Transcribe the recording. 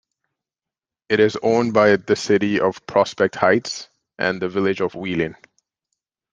It is owned by the City of Prospect Heights and the Village of Wheeling.